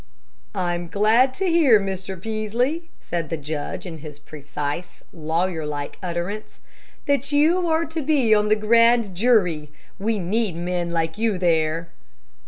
"I am glad to hear, Mr. Peaslee," said the judge, in his precise, lawyer like utterance, "that you are to be on the grand jury. We need men like you there."